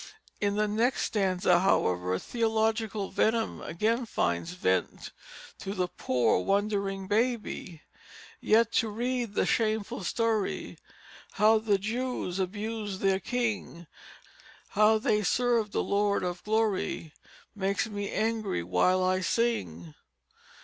In the next stanza, however, theological venom again finds vent to the poor wondering baby: "Yet to read the shameful story How the Jews abused their King How they served the Lord of Glory, Makes me angry while I sing."